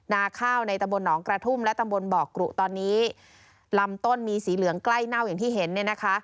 นาข้าวในตำบลหนองกระทุ่มและตำบลบ่อกรุตอนนี้ลำต้นมีสีเหลืองใกล้เน่าอย่างที่เห็นเนี่ยนะคะ